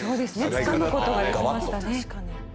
つかむ事ができましたね。